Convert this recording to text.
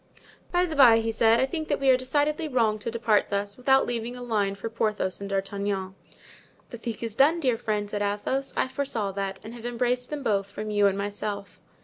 "By the bye," he said, "I think that we are decidedly wrong to depart thus, without leaving a line for Porthos and D'Artagnan." "The thing is done, dear friend," said Athos; "I foresaw that and have embraced them both from you and myself."